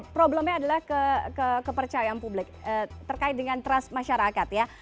problemnya adalah kepercayaan publik terkait dengan trust masyarakat ya